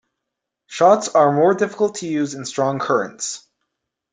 Shots are more difficult to use in strong currents.